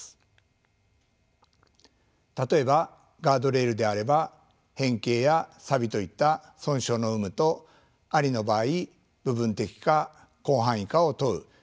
例えばガードレールであれば変形やさびといった損傷の有無と有りの場合部分的か広範囲かを問うシンプルな内容となっています。